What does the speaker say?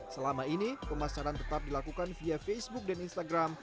selama ini pemasaran tetap dilakukan via facebook dan instagram